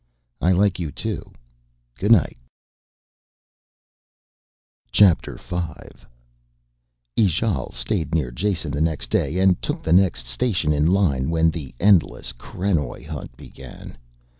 "I like you, too. Good night." V Ijale stayed near Jason the next day, and took the next station in line when the endless krenoj hunt began.